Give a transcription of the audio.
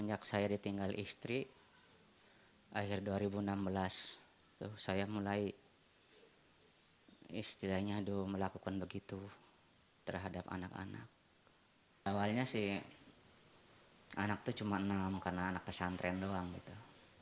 anak itu cuma enam karena anak pesantren doang gitu